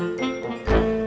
kamu mau ke rumah